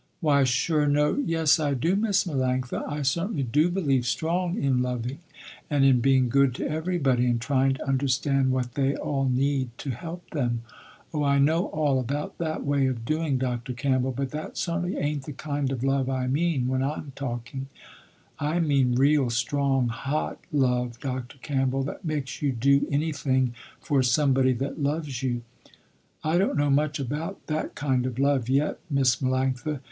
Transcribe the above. "Why sure no, yes I do Miss Melanctha, I certainly do believe strong in loving, and in being good to everybody, and trying to understand what they all need, to help them." "Oh I know all about that way of doing Dr. Campbell, but that certainly ain't the kind of love I mean when I am talking. I mean real, strong, hot love Dr. Campbell, that makes you do anything for somebody that loves you." "I don't know much about that kind of love yet Miss Melanctha.